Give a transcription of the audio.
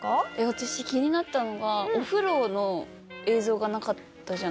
私気になったのがお風呂の映像がなかったじゃないですか。